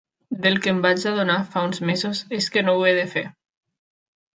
Del que em vaig adonar fa uns mesos és que no ho he de fer.